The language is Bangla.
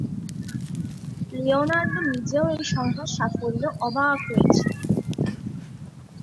লিওনার্ড নিজেও এই সংখ্যার সাফল্যে অবাক হয়েছিলেন।